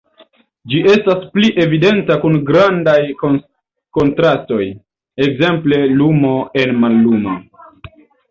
Ĝi estas pli evidenta kun grandaj kontrastoj, ekzemple lumo en mallumo.